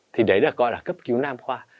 thì đấy được gọi là cấp cứu nam khoa